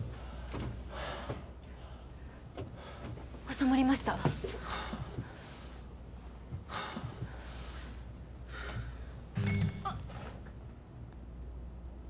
収まりました？あっ。